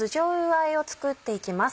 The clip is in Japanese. あえを作っていきます。